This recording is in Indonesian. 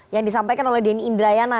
yang disampaikan oleh denny indrayana